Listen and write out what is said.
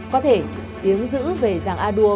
có thể tiếng dữ về giàng a đua